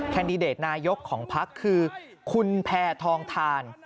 แดดิเดตนายกของพักคือคุณแพทองทาน